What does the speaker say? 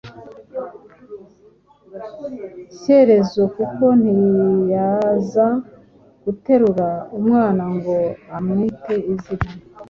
Shyerezo koko ntiyaza guterura umwana ngo amwite izina.